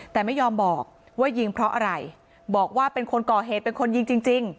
แต่ไม่ยอมบอกว่ายิงเพราะอะไรบอกว่าเป็นคนก่อเหตุเป็นคนยิงจริง